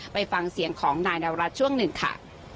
ไปฟังเสียงของนายนวรัฐช่วงหนึ่งค่ะ